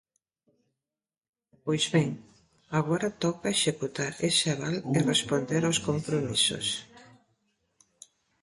Pois ben, agora toca executar ese aval e responder aos compromisos.